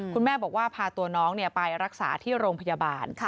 คุณแม่บอกว่าพาตัวน้องไปรักษาที่โรงพยาบาล